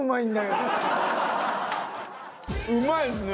うまいですね！